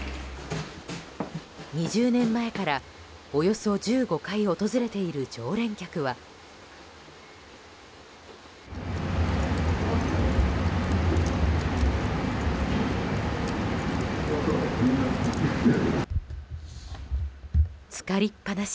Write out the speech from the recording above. ２０年前からおよそ１５回訪れている常連客は浸かりっ放し。